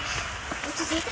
落ち着いて。